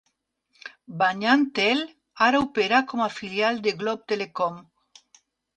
BayanTel ara opera com a filial de Globe Telecom.